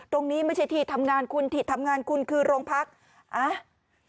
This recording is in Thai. ไม่ใช่ที่ทำงานคุณที่ทำงานคุณคือโรงพักอ่ะ